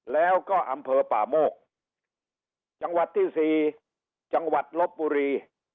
แล้วก็อำเภอป่าโมกจังหวัดที่สี่จังหวัดลบบุรี